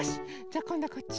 じゃあこんどはこっち。